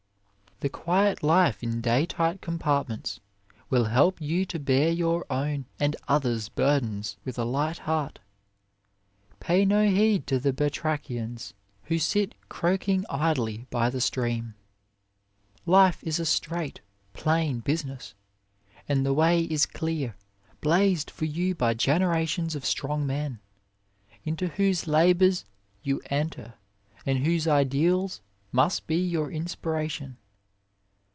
The quiet life in day tight com partments will help you to bear your own and others burdens with a light heart. Pay no heed to the Batrachians who sit croak ing idly by the stream. Life is a straight, plain business, and the way is clear, blazed for you by generations of strong men, into whose labours you enter and whose ideals must be your inspiration.